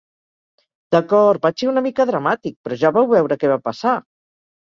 D'acord, vaig ser una mica dramàtic, però ja vau veure què va passar!